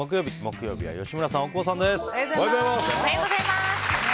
木曜日は吉村さん、大久保さんです。